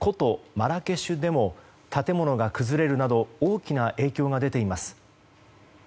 マラケシュでも建物が崩れるなど大きな影響が出ています。